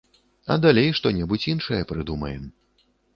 А далей што-небудзь іншае прыдумаем.